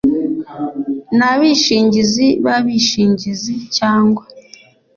n abishingizi b abishingizi cyangwa